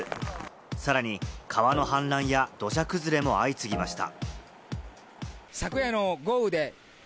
さらに川の氾濫や土砂崩れも相次ぎました。